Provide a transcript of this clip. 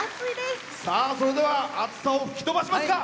それでは暑さを吹き飛ばしますか！